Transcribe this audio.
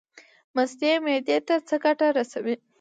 مستې معدې ته څه ګټه رسوي؟